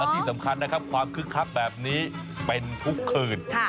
ที่สำคัญนะครับความคึกคักแบบนี้เป็นทุกคืน